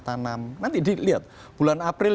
tanam nanti dilihat bulan april